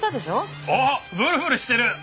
あっブルブルしてる！